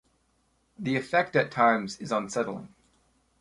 The effect at times is unsettling.